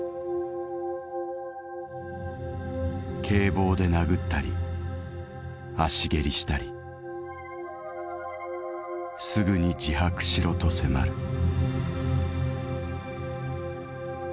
「警棒で殴ったり足蹴りしたり『すぐに自白しろ』と迫る」。